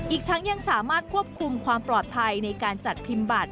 อีกทั้งยังสามารถควบคุมความปลอดภัยในการจัดพิมพ์บัตร